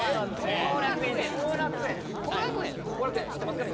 後楽園知ってますか？